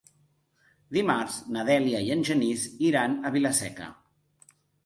Dimarts na Dèlia i en Genís iran a Vila-seca.